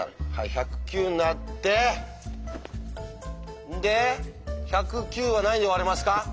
１０９になってで１０９は何で割れますか？